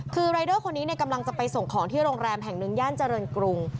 คือรายเดอร์คนนี้กำลังจะไปส่งของที่โรงแรมแห่งหนึ่งย่านเจริญกรุง